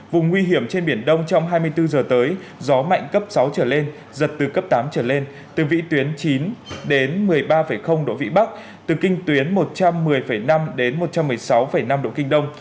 vùng nguy hiểm trên biển đông trong hai mươi bốn giờ tới gió mạnh cấp sáu trở lên giật từ cấp tám trở lên từ vĩ tuyến chín đến một mươi ba độ vị bắc từ kinh tuyến một trăm một mươi năm đến một trăm một mươi sáu năm độ kinh đông